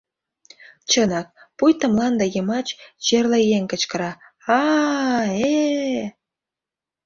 Чынак, пуйто мланде йымач черле еҥ кычкыра: «А-а, э-э!»